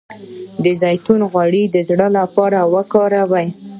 د زیتون غوړي د زړه لپاره وکاروئ